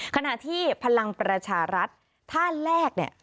ขณะที่พลังประชารัฐท่านแรกเนี่ย